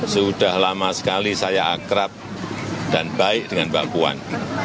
sudah lama sekali saya akrab dan baik dengan mbak puan